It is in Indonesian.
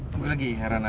apa lagi heran aja